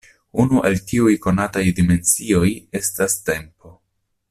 Unu el tiuj konataj dimensioj estas tempo.